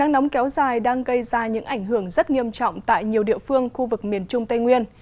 nắng nóng kéo dài đang gây ra những ảnh hưởng rất nghiêm trọng tại nhiều địa phương khu vực miền trung tây nguyên